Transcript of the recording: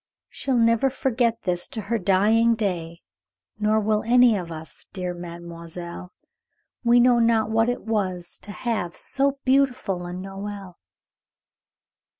"She'll never forget this to her dying day, nor will any of us, dear mademoiselle! We knew not what it was to have so beautiful a Noël!"